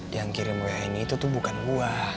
yang kirim wa ini itu bukan gue